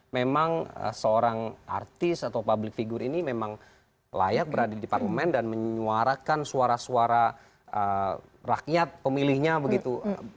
memang seorang artis atau public figure ini memang layak berada di parlemen dan menyuarakan suara suara rakyat pemilihnya begitu